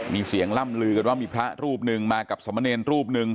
มีเสียงล่ำลือกันว่ามีพระรูปหนึ่งมากับสมเนรรูปหนึ่ง